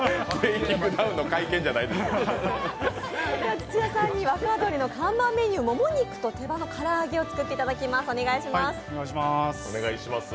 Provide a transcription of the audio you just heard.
土屋さんに若鳥の看板メニューもも肉と手羽のから揚げを作っていただきます